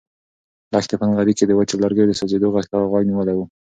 لښتې په نغري کې د وچو لرګیو د سوزېدو غږ ته غوږ نیولی و.